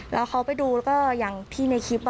แล้วเขาไปดูอย่างที่ในคลิป